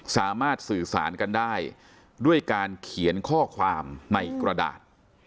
สามารถสื่อสารกันได้ด้วยการเขียนข้อความในกระดาษ